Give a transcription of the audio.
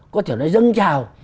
có thể nói dâng trào